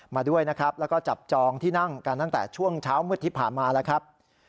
มาด้วยนะครับแล้วก็จับจองที่นั่งกันตั้งแต่ช่วงเช้ามืดที่ผ่านมาแล้วครับ